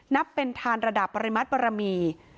นับเป็นทานระดับปริมัติบรมี